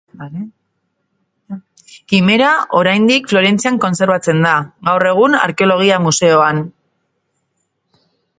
Kimera, oraindik Florentzian kontserbatzen da, gaur egun, arkeologia museoan.